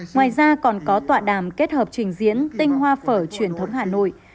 ngoài ra còn có tọa đàm kết hợp trình diễn tinh hoa phở truyền thống hà nội